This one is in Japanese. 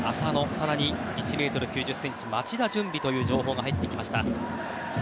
更に１ｍ９０ｃｍ、町田を準備という情報が入ってきました。